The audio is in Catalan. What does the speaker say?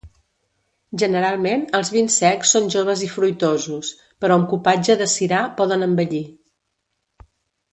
Generalment els vins secs són joves i fruitosos, però amb cupatge de sirà poden envellir.